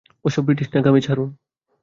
ওসব ব্রিটিশ ন্যাকামি ছাড়ুন।